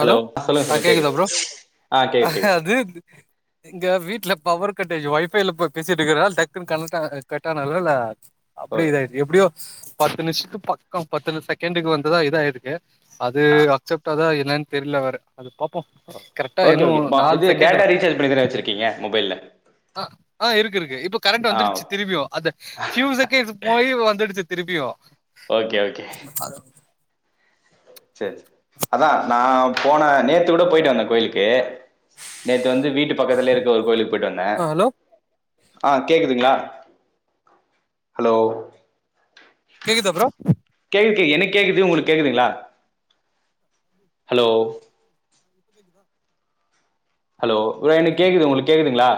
Hello சொல்லுங்க ஆஹ் சொல்லுங்க கேக்குதா கேக்குது ப்ரோ ஆ கேக்குது கேக்குது அது எங்க வீட்டுல பவர் கட்டாயிருச்சு ஓயிஃபைல பேசிட்டு இருக்கிற டக்குன்ன கட்டானல்ல அப்படியே ஓகே இத எப்படியோ பத்து நிமிஷத்துக்கு பக்கம் பத்து செகண்டுக்கு வந்ததா இதாய்யிருக்கு அது ஆ அக்ஸெப்ட் அதா என்னனு தெரியல வர அது பாப்போம் கரெக்டா ஓகே ஓகே இன்னும் பா நாலு இது செகண்ட் டேட்டா தான் ரீசார்ஜ் பண்ணி தானே வச்சிருக்கீங்க மொபைல்ல ஆஹ் ஆஹ் இருக்கு இருக்கு இப்ப கரண்ட் ஆ வந்துடுச்சு ஓகே திருப்பியும் ஃபியூ செகண்ட் போய் வந்துடுச்சு திருப்பியும் ஓக்கே ஓக்கே செரி அதான் நான் போன நேத்து கூட போயிட்டு வந்தேன் கோயிலுக்கு நேத்து வந்து வீட்டு பக்கத்துல இருக்க ஒரு கோயிலுக்கு போயிட்டு வந்தேன் ஆ ஹலோ ஆஹ் கேக்குதுங்களா ஹலோ கேக்குதா ப்ரோ எனக்கு கேக்குது உங்களுக்கு கேக்குதுங்களா ஹலோ ஹலோ ப்ரோ எனக்கு கேக்குது உங்களுக்கு கேக்குதுங்களா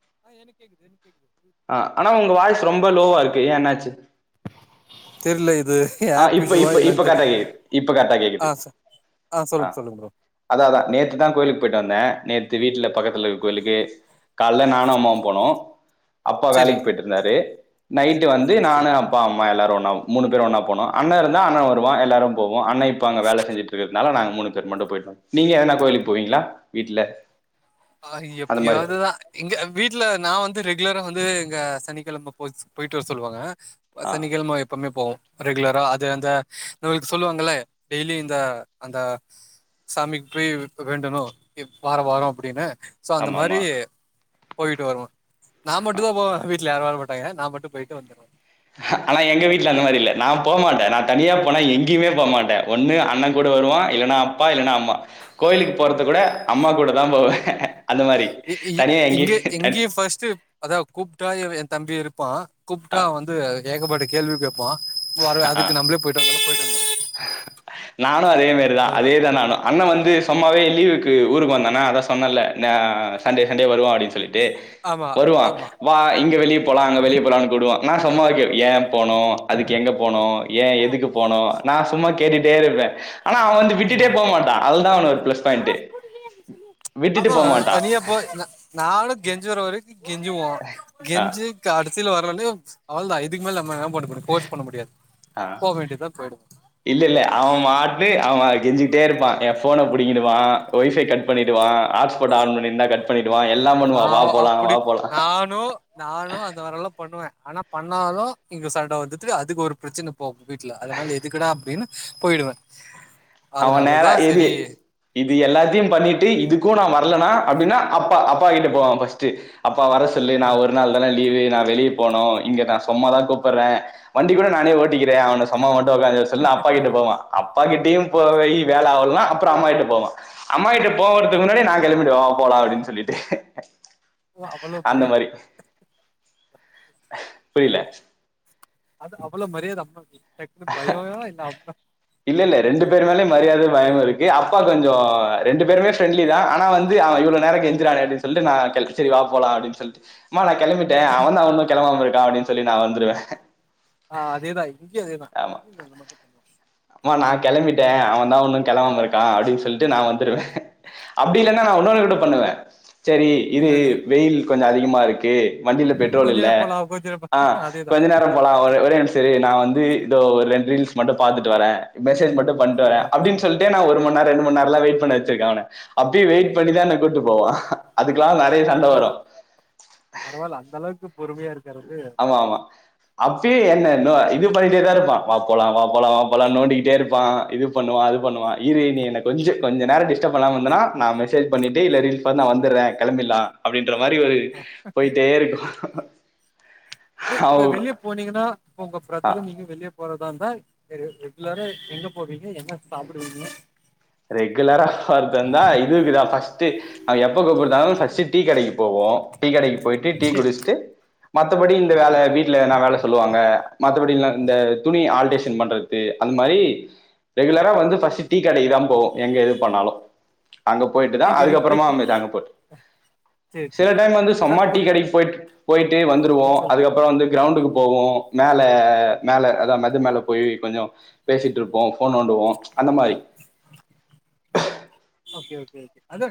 [unintelligible] ஆஹ் ஆனா உங்க வாய்ஸ் ரொம்ப லோவா இருக் ஏ என்னாச்சு தெரில இது ஆஹ் ஆப் இப்ப இஷ்யூவா இப்ப இப்ப என்னன்னு தெர்ல கரெக்டா கேக்குது இப்ப கரெக்டா ஆ கேக்குது சொ ஆ சொல்லுங்க ஆஹ் சொல்லுங்க ப்ரோ அதான் அதான் நேத்துதான் கோயிலுக்கு போயிட்டு வந்தேன் நேற்று வீட்டுல பக்கத்துல கோயிலுக்கு காலைல நானும் அம்மாவும் போனோம் அப்பா செரி வேலைக்கு போயிட்டு இருந்தாரு நைட்டு வந்து செரி செரி நானும் அப்பா அம்மா எல்லாரும் மூணு பேரும் ஒண்ணா போனோம் அண்ணன் இருந்தா அண்ணன் வருவான் எல்லாரும் போவோ அண்ணன் இப்ப அங்க வேல செஞ்சுட்டு இருக்கிறதுனால நாங்க மூணு பேர் மட்டும் போய்டு நீங்க எதனா கோயிலுக்கு போவீங்களா வீட்டுல ஆஹ் எப்பயாவதுதான் இங்க வீட்டு்ல நான் வந்து ரெகுலரா வந்து எங்க சனிக்கிழம போயிட்டு வர சொல்லுவாங்க ஆ சனிக்கிழம எப்பவுமே போவோ ரெகுலரா அது அந்த இவுங்களுக்கு சொல்லுவாங்கள டெய்லி இந்த அந்த சாமிக்கு போய் வேண்டணும் வாரம் வாரம் அப்படினு சோ அந்த ஆமா மாதிரி ஆமா போயிட்டு வருவா நா ஆ மட்டுதா போவ வீ வீட்ல யாரு வர மாட்டாயிங்க நா மட்டும் போயிட்டு வந்துருவே ஹ அனா எங்க வீட்டு்ல அந்த மாதிரி இல்ல நா போவ்மாட்டேன் நா தனியா போனா எங்கியுமே போவ்மாட்டே ஒண்ணு அண்ணங் கூட வருவா இல்லன்னா அப்பா இல்லன்னா அம்மா கோயிலுக்கு போறது கூட அம்மா கூட தா போவே இ ஈ எங்கே எங்கியி ஃபஸ்ட்டு அதா கூப்பிட்டா எவை எங் தம்பி இருப்பா கூப்புட்டா ஆ வந்து ஏகப்பாட்டுக் கேள்வி கேப்பா வர ஆ. அதுக்கு நம்ளே [inaudible] போயிட் நானு அதே மரிதா அதனால அதேதா நானு அண்ண வந்து சுத்தமாவே லீவுக்கு ஊருக்கு வந்தனா அதா சொன்னல நா சண்டே சண்டே வருவோ அப்டின் சொல்லிட் ட்டு ஆமா வருவா ஆமா வா இங்க வெளிய போலா அங்க வெளியே போலாம்னு கூப்டுவா நா சம்மார்க்கவே ஏ போனு அதுக்கு எங்க போனு ஏ எதுக்கு போனோ சும்மா கேட்டுட்டே இருப்பே ஆனா அவ வந்து விட்டுட்டே ஆமா போ மாட்டா அதுதா அவனோட பிளஸ் பாயிண்ட்டு விட்டுட்டு ஆமா போ மாட்டா தனியா போ் ந நானு கெஞ்சுவர் வரைக் கெஞ்சுவோ ஆ கெஞ்சு காடுத் கடைசில வரலனு அவல்தா இதுக்கு மேல நம்ம பண்ண முடியும் ஃபோர்ஸ் பண்ண முடியாது ஆஹ் போக வேண்டியதுதான் போயிடுவோம் இல்ல இல்ல அவன் மாட்லு அவ கெஞ்சிட்டே இருப்பா எ போன புடிக்கிடுவான் வை பை கட் பண்ணிடுவா ஹ்ட்ஸ்பாட் ஆன் பண்ணிருந்தா கட் பண்ணிட் ஆ அவ அப்புடிப் நானு நானு அந்த மாரிலா பண்ணுவே ஆனாப் பண்ணாலு இங்கு சண்ட வந்துட்டியா அதுக்கு ஒர் பிரச்சன போகு வீட்டுல அதனால எதுக்குடா அப்டின் போயிடுவே அவன் நேரா எது இது எல்லாத்தையும் பண்ணிட்டு இதுக்கு நா வரலனா அப்பிடின்னா அப்பா அப்பா கிட்ட போவா பஸ்ட்டு அப் ப்பா வர சொல்லு நா ஆ ஒரு நாள் தான லீவே நா வெளியி போனு இங்க நா சொம்ம தா கூப்புற வண்டி கூட நானே ஓட்டிக்கிறே அவன சம்ம வண் [unintelligible] சொல்ல அப்பா கிட்ட போவா அப் பாக்கி டீம் போவை வேல ஆவ்லன்னா அப்பறம் அம்மா கிட்ட போவா அம்மா கிட்ட போவுறதுக்கு முன்னாடி நா கிளம்பிடுவே வா போலா அப்டின் சொல்லிட்டு அவ்வளவு பெரித் புரியில அது அவ்வுள மரியாத அம்மாக்கு டக்குன்னு பயமா இல்ல அம்மா இல்ல இல்ல ரெண்டு பேரு மேல மரியாத பயோ இருக்கு அப்பா கொஞ்சொ ரெண்டு பேருமே ஃப்ரெண்ட்லி தா ஆனா வந்து அவ இவளோ நேர கெஞ்சுரானே அப்டின் சொல்லி நா கெள் செரி வா போலா அப்டின் சொல்லிட் மா கிளம்பிட்டே அவந்தா அவுன்னு கிளபாம இரு அப்படின்னு சொல்லி நான் வந்துடுவேன் ஆஹ் அதேதான் தான் நீ மும் சொல்லுவம் [inaudible] அம்மா நான் கிளம்பிட்டேன்அவன் தான் இன்னும் கிளம்பாம இருக்கான் அப்படின்னு சொல்லிட்டு நான் வந்துருவேன் அப்டி இல்லன்னா நான் ஒன்னோன்னுகூட பண்ணுவேன். சரி பண்ணுவாங்க இது என்னது வெயில் கொஞ்சம் அதிகமாக இருக்கு வண்டியில பெட்ரோல் கொஞ்ச இல்ல நேரம் போலாம் கொஞ்ச நேரம் ஆஹ் போலாம் அதேதான் கொஞ்ச நேரம் போலாம் ஒரே நிமிஷ் சரி நான் வந்து இதோ ஒரு ரெண்டு ரீல்ஸ் மட்டும் பார்த்து வரேன் மெசேஜ் மட்டொ பண்ட்டு வறேன் ஆமா அப்படின்னு சொல்லிட்டு நான் ஒரு மணி நா ரெண்டு மணி நேரம்லா வெயிட் பண்ண வச்சிருக்கேன் அவன அப்டி வெயிட் பண்ணி தான் என்ன கூட்டிட்டு போவான் அதுக்கு நிறைய சண்டை பரவால்ல வரும் பரவால்ல அந்த அளவுக்கு பொறுமையா இருக்கிறது ரொம்ப அதக [unintelligible] என் இது பண்ணிட்டே தான் இருப்பான் வா போகலாம் வாபோகலாம் வா போகலாம் நோண்டிடே இருப்பான் இது பண்ணுவான் அது பண்ணுவான் இரு கொஞ்ச நேரம் டிஸ்டப் பண்ணாம இருந்த நா மெசேஜ் பண்ணிட்டு ரீல்ஸ் பாத்துட்டு வந்துறேன் கிளம்பிடலாம் அப்படின்னு என்ற மாதிரி ஒரு போயிட்டே இருக்கும். ஆ [inaudible] இப்ப வெளிய போனீங்கன்னா இப்ப உங்க பிரதரு நீங்க வெளிய போறது ரெகுலரா எங்க போவீங்க என்னா சாப்பிடுவீங்க ரெகுலரா வரதுந்தா இதுக்கு தா ஃபஸ்ட் எப்ப கூப்பிடுத்தாலும் டீக்கடைக்கு போவோம் டீ கடைக்கு போயிட்டு டீ சரி குடிச்சிட்டு மத்தபடி இந்த ஓகே வேல வீட்ல வேல சொல்லுவாங்க மத்தபடி இந்த துணி ஆல்டேஷன் தின் பண்றது அந்த மாரி ரெகுலரா வந்து பஸ்ட்டு டீக்கடைக்குதான் போவோம் எங்க எது பண்ணாலும் அங்க போயிட்டு டீ தான் கடைக்கு போய் அதுக்கப்புறமா மட்டும் அங்க போய்றது சரி சில சரி டைம் வந்து ச சும்மா இப்ப டீ கடைக்கு போயிட்டு பே வந்துருவோம் ம் சொல்லு அதுக்கப்புறம் வந்து கிரண்டுக்கு போவோம் மேல மேல அதா மது மேல போய் கொஞ்சம் பேசிட்டு இருப்போம் போன் நோண்டுவோம் அந்த மாதிரி ஓகே ஓகே அதா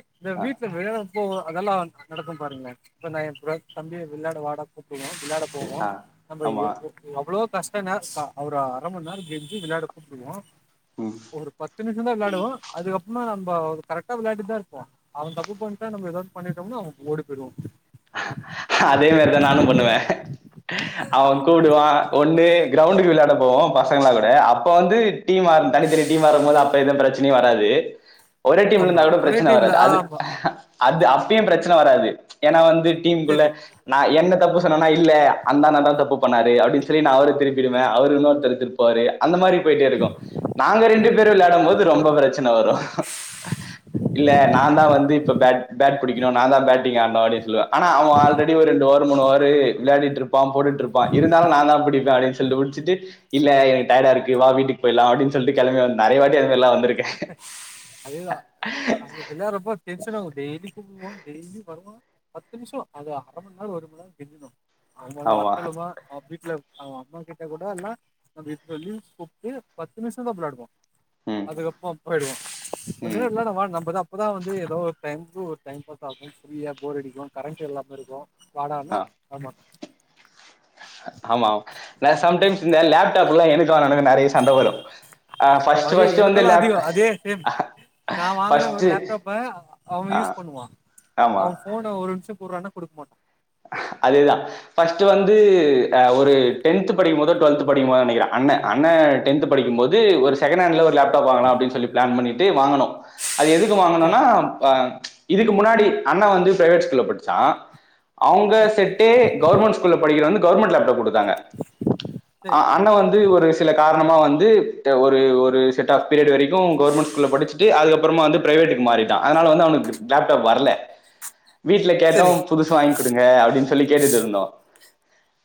வீட்டுல விளையாட போவோ அதெல்லாம் நடக்கும் பாருங்க இப்ப நா என் தம்பி விளையாட வாடா கூப்பிடு தினம் விளாட போவோம் ஆ நம்ம ஆமா எவ்ளோ கஷ்டம் என்னானா அவர அர மணி நேரம் கெஞ்சி விளையாட கூப்பிடுவோம் ம் ஒரு பத்து நிமிஷம் தா விளாடுவோம் அதுக்கப்புறம் இப்ப அவரு கரெக்டா விளையாடிட்டுதா இருப்போம் அவ தப்பு பண்ணிட்டா நம்ம எதாவது பண்ணிட்டோம்ணா அவ ஓடி போயிடுவோம் [inaudible] அதே மாரிதா நானும் பண்ணுவே அவே கூடுவா ஒண்ணு கிரவுண்டுக்கு விளயாட போவோம் பசங்களோட அப்ப வந்து டீம் அது தனி தனி டீம் இருக்கும்போது அப்ப எந்த பிரச் இனி வராது ஒரே டீம்ல ஆமா இருந்தா கூட ஒரே பிரச்சன டீம்ல வராது அது ஆமா அது அப்பயும் பிரச்சன வராது ஏனா வந்து டீம் குள்ள செரி நா என்ன தப்பு இல்ல அந்த அண்ணன் தான் தப்பு பண்ணாரு அப்டினு சொல்லி அவுர திருப்பிருவே அவரு இன்னொருதர திருப்பிருவாரு அந்த மாரி போயிட்டே இருக்கும் நாங்க ரெண்டு பேரும் விளயாடும் போது ரொம்ப பிரச்ச இல்ல வரும் இல்ல நா தா வந்து இப்ப பேட் பேட் பிடிக்கணும் நா தா பேட்டிங் ஆடுனும் ஆடியன்ஸ்ல ஆனா அவ ஆல்ரடி ஒரு நோர் மூணு வாரு விளையாடிட்டு இருப்போம் ஹ போட்டுட்டு இருப்பா இருந்தாலும் நா தா அப்டி [unintelligible] அப்டினு சொல்லி முடிச்சட்டு இல்ல எனக்கு டயடா இருக்கு வா வீட்டுக்கு போயிரலாம் அப்டினு சொல்லிட்டு நெறயாவாட்டி அந்த மாரி எல்லாம் வந்திருக்கே [unintelligible] டெய்லியும் வருவம் பத்து நிமிஷம் அது அரை மணி நாள் ஒரு மணி நாள் கெஞ்சணும் அவமா ஆமா வார்கல்லுமா வீட்ல அவ அம்மா கிட்ட கூட அல்லாம் நம் இதரள்ள குப்பி பத்து மிஷன் விளாடுவோம் ம் அதுக்கப் [unintelligible] போயிடுவோம் ஒரு சில ம் நம்மதான் அப்போதான் வந்துதோ டைமுக்கு ஒரு டைம் பாஸ் ஆகும் ஃப்ரியா போர் அடிக்கும் கரண்ட் இல்லாம இருக்கும் ஆ, வாடானா ஆமா ஆமா ந சம்டைம்ஸ் இந்த லேப்டாப் எலாம் எனக் ஃபர்ஸ்ட் அயோ ஃபர்ஸ்ட் வந்து எனக்கெலாம் லேப் அதிக அதே சேம் நான் வாங்கின ஃபர்ஸ்ட் லேப்டாப்ப அவன் யூஸ் பண்ணுவான் ஆமா அவன் போன ஒரு நிமிஷம் குடுறான்னா குடுக்க மாட்டா அதேதான் ஃபஸ்ட் வந்து ஒரு டென்த் படிக்கும் போது டுவள்த் படிக்கும் போது நெனக்கிறேன் அண்ணே படிக்கும்போது ஒரு செகனண்ட் லேப்டாப் ஒரு [unintelligible] சொி பிளான்பண்ணிட் ட்டு வாங்கணும் அது எதுக்கு சேரி வாங்கனும்னா இதுக்கு முன்னாடி அண்ணா வந்து பிரைவேட் ஸ்கூல்ல படிச்சான் அவங்க சேரி செட்டே கவர்மெண்ட் ஸ்கூல்ல படிக்கிற வந்து கவர்மென்ட் லேப்டாப் குடு தாங்க சேரி அண்ணா வந்து ஒரு சில காரண மாமா வந்து ஓரு ஓரு செட் ஆப் ப் பி ரியோட் வரைக்கும் கொவ்வேர்ந்மென்ட் ஸ்கூல்ல படிச்சிட்டு அதுக்கப்பறமா பிரைவேட்க்கு மாறிட்டான் அதனால வந்து அவனுக்கு லேப்டாப் வரல வீட்டுல சேரி கேட்டும் புதுச வாங் அப்படின்னு சொல்லி கேட்டுட்டு இருந்தோம்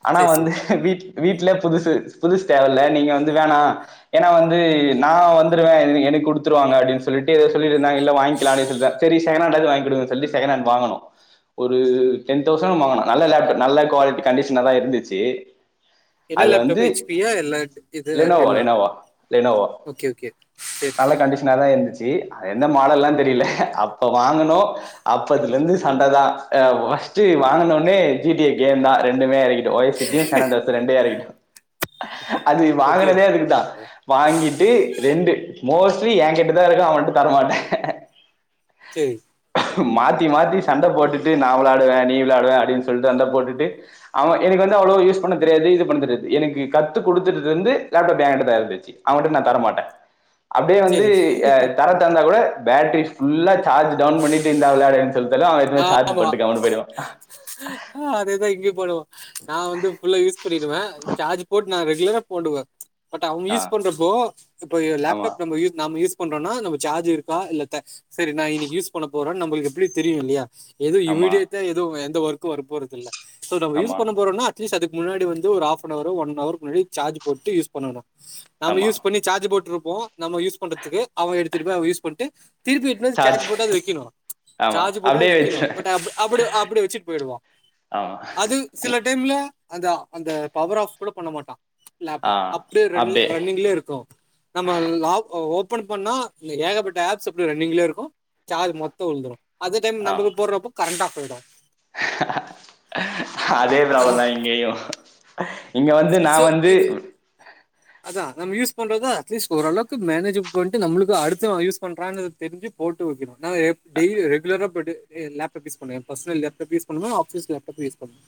ஆனா சேரி சேரி வந்து வீட் வீட்டு்ல புதுசு புதுசு தேவ இல்ல நீங்க வந்து வேணாம் ஏன்னா வந்து நான் வந்துருவேன் எனக்கு கொடுத்துருவாங்க அப்படின்னு சொல்லிட்டு எதோ சொல்லிருந்தாங்க இல்ல வாங்கிக்கலாம் அப்டினு சொல்லிடு இருந்தாங்க சேரி செகண்ட் ஹாண்ட்டாவது வாங்கி கொடுங்கன்னு சொல்லிட்டு செகண்ட் ஹண்ட் வாங்கணும் ஒரு டென் தௌசண்ட் வாங்கினும் நல்ல லேப்டாப் நல்ல குவாலிட்டி கண்டிஷனாக தான் இருந்துச்சு என்ன அது லேப்டாப் வந்து எச் பி யா இல்ல இது லெனோவா டெல்ல லெனோவா லெனோவா ஓகே ஓகே சேரி சேரி என்ன மாடல்ல்லாம் தெரியல அப்ப வாங்கனும் அப்பதுல இருந்து சண்டை தான் ஏ வாங்கனனே ஜி டி கேம் தான் ரெண்டுமே இருக்க ஒய சஜியும் சனாண்டோ ரெண்டையும் இறக்கிட்டோம் அஹ் அது ஓகே வாங்கினதே அதுக்குதான் வாங்கிட்டு ரெண்டு மோஸ்ட்லி என் கிட்ட தான் இருக்கும் அவன் தரமாட்டன் சேரி மாத்தி மாத்தி சண்டை போட்டுட்டு நான் விளாடுவேண் விளயாடுவேன் அப்படினு சொல்லிட்டு சண்ட போட்டுட்டு அவன் எனக்கு வந்து அவளுவோ யூஸ் பண்ண தெரியாது இது தெரியாது எனக்கு கத்துகொடுத்ததிலருந்து லேப்டாப் என் கிட்ட தான் இருந்துச்சு அவன் கிட்ட நான் தரமாட்டேன் அப்டியே வந்து சரி ஆஹ் தர தந்தா கூட பேட்ரி ஃபுல்லா சார்ஜ் டவுன் பண்ணிட்டு இந்தா விளையாடு தாலும் அவன் எடுத்துனுபோய் சார்ஜ் ஆமா பண்டு கம்முனு போயுடுவா [inaudible] போயிடுவா நா வந்து ஃபுல்லா யூஸ் சொல்லிடுவே சார்ஜ் போட் நா ரெகுலரா போடுவே பட் அவுங்க ஆ யூஸ் பண்றப்போ இப்ப ஆமா லேப்டாப் நம்ம யூஸ் நம்ம யூஸ் பண்றோனா நம்ப சார்ஜ் இருக்கா இல்ல த சேரி நா இன்னிக்கி யூஸ் பண்ண போறோ நம்பளுக்கு எப்டி தெரியுல்லையா எது ஆமா இமீடியேட்ட எது வே இந்த ஒர்க் வர போறதில்ல சோ நம்ப யூஸ் ஆமா பண்ண போறோம்னா அட்லீ்ஸ் அதுக்கு முன்னாடி வந்து ஒரு ஃஅப்னவரோ ஒன்அவர் முன்னாடி சார்ஜ் போட்டு யூஸ் பண்ணணு நாம ஆமா யூஸ் பண்ணி சார்ஜ் போட்டுருப் போ நம்ம யூஸ் பண்றதுக்கு அவ எடுத்துட்டு போய் அவ யூஸ் பண்டு திருப்பி எத்வந்து சார்ஜ் போட்டாது வெக்கணு ஆமா சார்ஜ் போட்ட அப்படியே வை வெக்கணு வச்சிருவேன் பட் அப்டி-அப்டி வச்சிட்டு போயிடுவா ஆமா அது சில டைம்ல அந்த-அந்த பவர் ஆஃப் கூட பண்ண மாட்டா ஆ லேப்டாப் அப்டே அப்டியே ரன்ல-ரன்னிங்லே இருக்கோ நம்ம லாக் ஓப் ப்பன் பண்ணா ல்ல ஏகப்பட்ட ஆப்ஸ் அப்டே ரன்னிங்கலே இருக்கு சார்ஜ் மொத்தோ உழுதுடு அது டைம் ஆ நம்மளுக்கு [unintelligible] கரண்ட் ஆஃப்பாயிடு அதே ப்ராப்ளம்தா இங்கேயு இங்க வந்து நா ஸோ வந்து இது அதான் நம்ம யூஸ் பண்றத அட்லீஸ்ட் ஓரளவுக்கு மேனேஜ் பண்ட்டு நம்மளுக்கு அடுத்துவ யூஸ் பண்ணறான்னு தெரிஞ்சி போட்டு வெக்கணு ந எப் டெய்லி ரெகுலரா ப்பிடு லேப்டாப் யூஸ் பண்ணுவ பர்சனல் லேப்டாப் யூஸ் பண்ணுவ ஆபீஸ் லேப்டாப் யூஸ் பண்ணுவ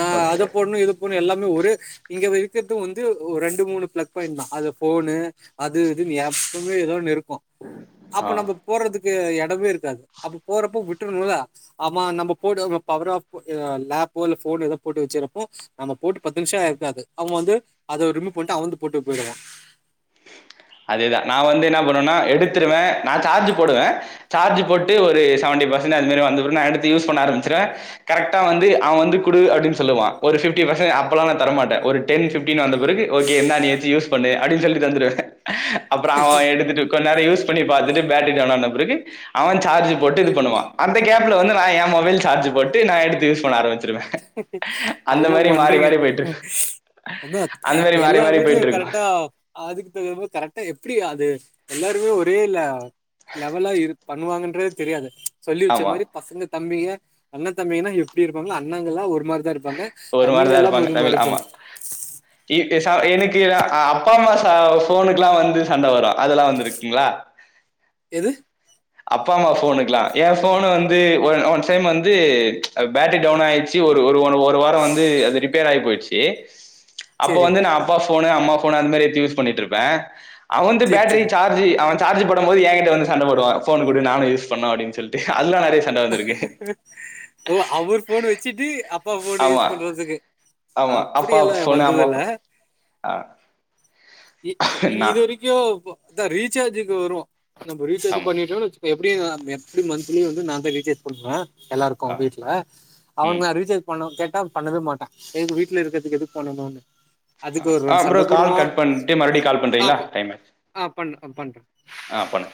நா ஓகே அத பொட்ணு இத பொட்ணு எல்லா இன்னு ஒரு இங்க இருக்கிறது வந்து ரெண்டு மூணு பிளக் பாயிண்ட் தா போனு அது இதுன்னு எப்பமே எதோ ஒன்னு இருக் கோ அப்ப ஆ நம்ம போறதுக்கு கு எடமே இருக்காது அப்ப போறப்போ விட்டுனுல ஆமா நம்ம போய்டுவோம் அங்க பவர் ஆஃப் போ ஹ லேப்போ இல்ல ஃபோன் ஏதோ போட்டு வச்சிறப்போ நம்ம போட்டு பத் து நிமிஷம் ஆயிருக்காது அவங்க வந்து அத ரிமூவ் பண்ணிட்டு அவனுந்து போட்டு போயிடுவான் அதேதான் நான் வந்து என்ன பண்ணுவேனா எடுத்துடுவேன் நா சார்ஜ் போடுவேன் சார்ஜ் போட்டு ஒரு செவன்டி பர்சென் அந்த மாரி வந்தப்பிர நான் எடுத்து யூஸ் பண்ண ஆரம்பிச்சிருவேன் கரக்டா வந்து அவன் வந்து குடு அப்டின்னு சொல்லுவான் ஒரு பிப்டி பர்சன்ட் அப்பல்லாம் நான் தரமாட்டேன் ஒரு டென் பிப்டீன் வந்த பிறகு ஓகே இந்தா நீ வச்சு யூஸ் பண்ணு அப்டின்னு சொல்லிட்டு தந்துடுவேன் அப்புறம் அவன் எடுத்துட்டு கொஞ் நேரம் யூஸ் பண்ணி பாத்துட்டு பேட்டரி டவுன் [unintelligible] பிறகு அவன் சார்ஜ் போட்டு இது பண்ணுவான் அந்த கேப்ல வந்து நான் என் மொபைல் சார்ஜ் போட்டு நான் எடுத்து யூஸ் பண்ண ஆரமிச் நல்லா பண்றீங்க மாறி போயிட்ருக்கு அதா அந்த மாரி மாறி எல்லா மாறி வீட்லயும் போயிட்ருக்கு கரெக்டா அதுக்கு தகுந்த மாறி கரெக் ட்டா எப்டியா அது எல்லாருமே ஒரே ல லெவலா இரு பண்ணுவாங்கன்றதே தெரியாது சொல்லி வச்ச ஆமா மாரி பசங்க தம்பிங்க அண்ண தம்பிகனா எப்டி இருப்பாங்களா நாங்களாம் ஒரு ஒரு மாரிதான் இருப்பாங்க ஒரு மாரிதான் தம்பிங்கல்லாம் இருப்பாங்க தமிழ் ஆமா ஒருமார்ருப்பாங்க [unintelligible] ஹ அப்பா அம்மா ச போனுக்குல்லாம் வந்து சண்ட வரும் அதெல்லாம் வந்து இருக்குங்களா ஏது அப்பா அம்மா போனுக்கலாம் என் போனு வந்து ஒ ஒன் டைம் வந்து பேட்டரி டவுன் ஆயிடுச்சு ஒரு ஒ ஒரு வாரம் வந்து அது ரிப்பேர் ஆயி போயிடுச்சு அப்ப செரி வந்து நான் அப்பா ஃபோன்னு அம்மா ஃபோன்னு அது மாரி எடுத்து யூஸ் பண்ணிட்ருப்பேன் அவந்து செரி பேட்டரி செரி சார்ஜ் அவன் சார்ஜ் போடும் போது என்கிட்ட வந்து சண்டபோடுவான் போன் குடு நானும்யூஸ் பண்ணு அப்டின் சொல்லிட்டு [unintelligible] ஓ அவரு போன் வச்சுட்டு அ அப்பா போன் ஆமா யூஸ் பண்றதுக்கு ஆமா அப்டி அப்பா எல்லாம் ஃபோனு வந்தது அம்மா இல்ல ஃபோ ஆ நா இது வரைக்கும் அதான் ரீசார்ஜுக்கு வரும் நம்ம ரீசார்ஜ் ஆமா பண்ணிட்டோனு வச்சுக் எப்டி எப்டி மந்த்லி வந்து நாங்க ரிச்சார்ஜ் போடணுமா எல்லாருக்கும் ஆ வீட்ல ம் அவனுக்கு ரீசார்ஜ் பண்ணும் கே பண்ணவே மாட்டேன் எதுக்கு வீட்டுல இருக்கிறதுக்கு எதுக்கு பன்ணும் அப்பறம் கால் கட் பண்ணிட்டு மறுபடி கால் பண்றீங்களா அப்ப டைம் ஆ. பண் பண்றேன். ஆ பண்ணு